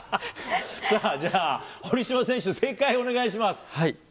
じゃあ、堀島選手、正解をお願いします。